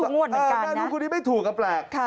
ในประนูกนี้ไม่ถูกก็แปลก